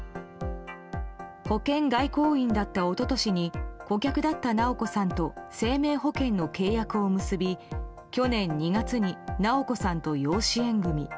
保険外交員だった一昨年に顧客だった直子さんと生命保険の契約を結び去年２月に直子さんと養子縁組。